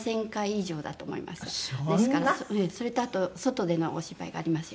それとあと外でのお芝居がありますよね。